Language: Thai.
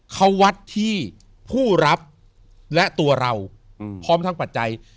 เขาวัดที่ผู้รับและตัวเราพร้อมทั้งปัจจัย